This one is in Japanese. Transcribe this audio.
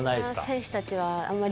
選手たちは。